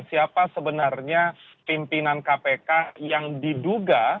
siapa sebenarnya pimpinan kpk yang diduga